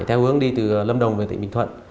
theo hướng đi từ lâm đồng về tỉnh bình thuận